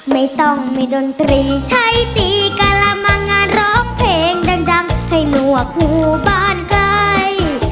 ไม่ต้องมีดนตรีใช้ตีกะละมังงานร้องเพลงดังให้หนวกหูบ้านใกล้